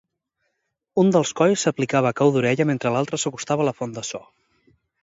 Un dels colls s'aplicava a cau d'orella mentre l'altre s'acostava a la font de so.